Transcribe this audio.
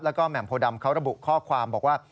แล้วก็แหม่มโพดำเขาระบุข้อความบอกว่า